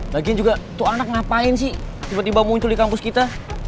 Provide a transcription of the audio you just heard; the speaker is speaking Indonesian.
lagian juga tuh anak ngapain sih tiba tiba muncul di kampus kita